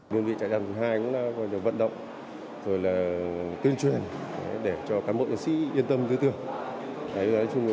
đơn vị trại giam hai cũng là vận động tuyên truyền để cho cán bộ chiến sĩ yên tâm tư tưởng